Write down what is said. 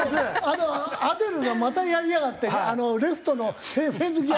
あのアデルがまたやりやがってレフトのフェンス際。